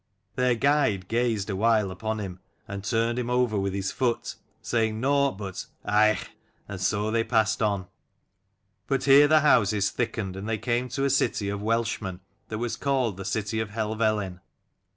Their guide gazed awhile upon him, and turned him over with his foot, 52 saying nought but " Aigh !" And so they passed on. But here the houses thickened, and they came to a city of Welshmen that was called the city of Helvellyn.